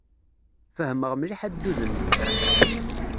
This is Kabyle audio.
Fehmeɣ mliḥ addud-nnem.